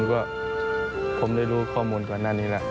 ผมว่าผมได้รู้ข้อมูลก่อนอันนี้และ